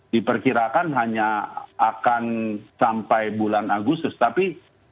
diperkirakan hanya akan sampai bulan agustus tapi